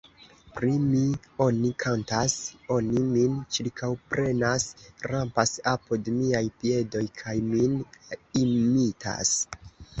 Pri mi oni kantas, oni min ĉirkaŭprenas, rampas apud miaj piedoj kaj min imitas.